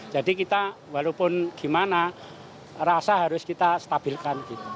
jadi kita walaupun gimana rasa harus kita stabilkan